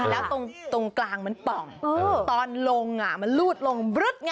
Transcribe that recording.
แล้วตรงกลางมันป่องตอนลงมันลูดลงบลึ๊ดไง